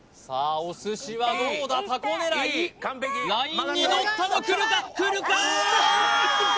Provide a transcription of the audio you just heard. お寿司はどうだタコ狙いラインにのったぞくるかくるかー！？